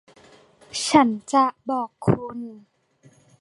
ฉันจะบอกคุณ